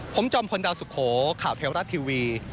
ผมจอมพลดาวสุโขข่าวเทวรัฐทีวี